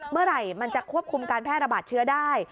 เมื่อไหร่มันจะควบคุมการแพร่ระบาดเชื้อได้